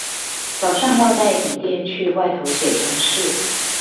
早上要帶筆電去外頭寫程式